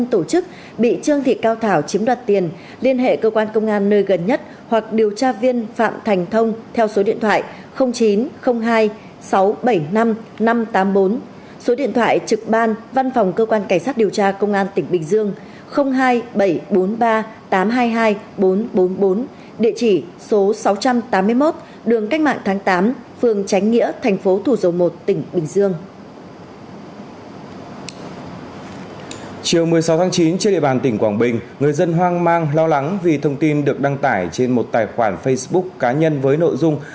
trường một mươi sáu tháng chín trên địa bàn tỉnh quảng bình người dân hoang mang lo lắng vì thông tin được đăng tải trên một tài khoản facebook cá nhân với nội dung